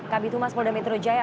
kami tumas polda metro jaya